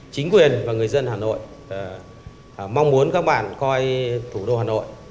chính quyền và người dân hà nội mong muốn các bạn coi thủ đô hà nội